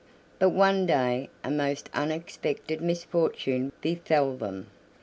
But one day a most unexpected misfortune befell them.